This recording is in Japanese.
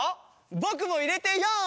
ぼくもいれてよん！